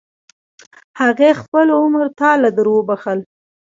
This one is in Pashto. هغې خپل عمر تا له دروبخل.